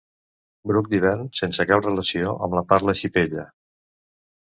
Bruc d'hivern sense cap relació amb la parla xipella.